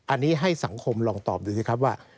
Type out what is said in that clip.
อันนี้ให้สังคมลองตอบดูสิครับว่า